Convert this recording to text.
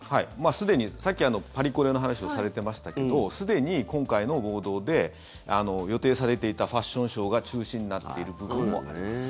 すでに、さっきパリコレの話をされてましたけどすでに今回の暴動で予定されていたファッションショーが中止になっている部分もあります。